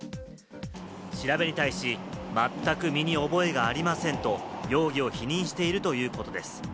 調べに対しまったく身に覚えがありませんと容疑を否認しているということです。